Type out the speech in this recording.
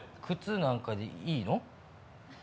「靴」なんかでいいの？